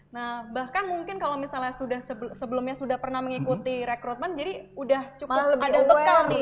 nah bahkan mungkin kalau misalnya sebelumnya sudah pernah mengikuti rekrutmen jadi udah cukup ada total nih